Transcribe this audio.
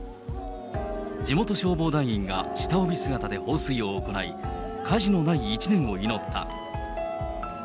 地元消防団員が下帯姿で放水を行い、火事のない一年を祈った。